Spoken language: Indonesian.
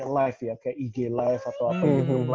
live ya kayak ig live atau apa gitu